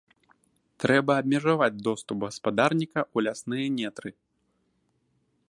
Трэба абмежаваць доступ гаспадарніка ў лясныя нетры.